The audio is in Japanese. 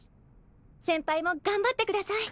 先輩もがんばってください。